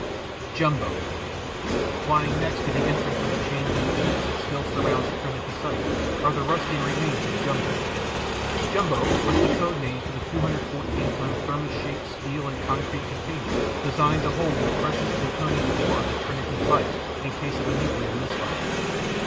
JUMBO Lying next to the entrance of the chain link fence that still surrounds Trinity Site are the rusty remains of Jumbo. Jumbo was the code name for the 214 ton Thermos shaped steel and concrete container designed to hold the precious plutonium core of the Trinity device in case of a nuclear mis fire.